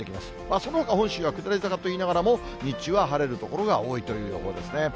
そのほか本州は下り坂といいながらも、日中は晴れる所が多いという予報ですね。